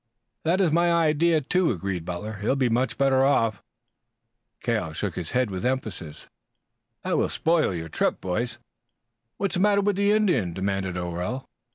"That is my idea, too," agreed Butler. "He will be much better off." Cale shook his head with emphasis. "That will spoil your trip." "What's the matter with the Indian?" demanded O'Rell.